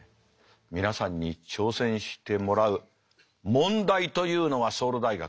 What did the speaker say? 皆さんに挑戦してもらう問題というのはソウル大学